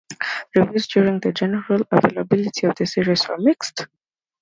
Reviews during the general availability of the series were mixed.